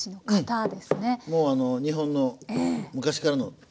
もうあの日本の昔からのええ。